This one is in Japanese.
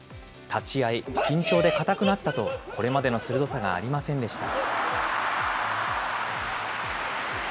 立ち合い、緊張で硬くなったと、これまでの鋭さがありませんでした。